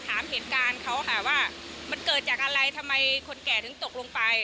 ถามเหตุการณ์เขาค่ะว่ามันเกิดจากอะไรทำไมคนแก่ถึงตกลงไป